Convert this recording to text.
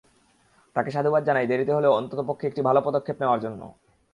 তাঁকে সাধুবাদ জানাই দেরিতে হলেও অন্ততপক্ষে একটি ভালো পদক্ষেপ নেওয়ার জন্য।